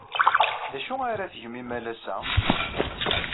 D acu ara tgem imalas-a?